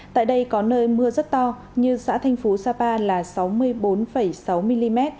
tại đây có nơi mưa rất to như xã thành phố sapa là sáu mươi bốn sáu mm